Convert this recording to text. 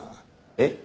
えっ？